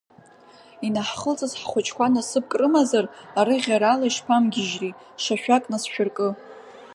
Инаҳхылҵыз ҳхәыҷқәа насыԥк рымазар, арыӷьарала ишԥамгьежьри, шашәак насшәыркы…